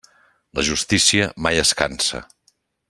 La justícia mai es cansa.